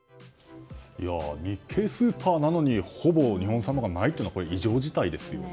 日系スーパーなのにほぼ日本産がないというのは異常事態ですよね。